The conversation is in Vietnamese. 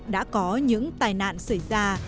đã có những tài nạn xảy ra